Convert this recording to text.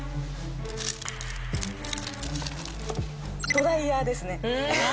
ドライヤーですね。